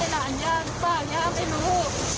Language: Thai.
หลานย่าหรือเปล่าย่าไม่รู้